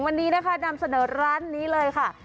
วันนี้นะคะนำเสนอร้านนี้เลยค่ะ